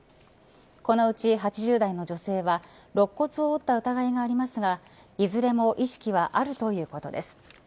このうち８０代の女性は肋骨を折った疑いがありますがいずれも意識はあるということです。